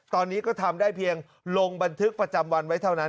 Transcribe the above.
ตอนนี้ก็ทำได้เพียงลงบันทึกประจำวันไว้เท่านั้น